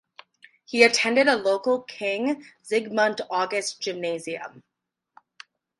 He attended a local King Zygmunt August gymnasium.